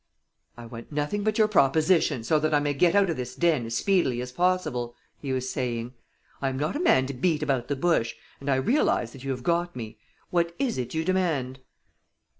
"I want nothing but your proposition, so that I may get out of this den as speedily as possible," he was saying. "I am not a man to beat about the bush, and I realize that you have got me. What is it you demand?"